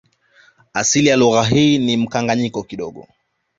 Asili ya lugha hii ina mkanganyo kidogo